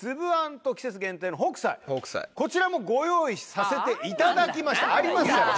こちらもご用意させていただきましたありますから。